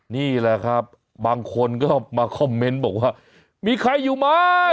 นี่แหละครับบางคนก็มาคอมเมนต์บอกว่ามีใครอยู่ไหม